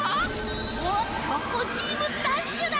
おっチョコンチームダッシュだ！